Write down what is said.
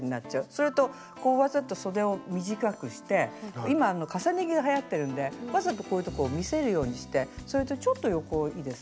それとわざとそでを短くして今重ね着がはやってるんでわざとこういうとこを見せるようにしてそれとちょっと横いいですか。